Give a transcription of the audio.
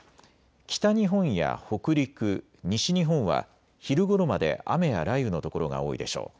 北日本や北陸、西日本は昼ごろまで雨や雷雨の所が多いでしょう。